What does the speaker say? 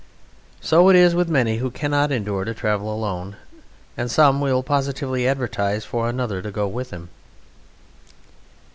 So it is with many who cannot endure to travel alone: and some will positively advertise for another to go with them.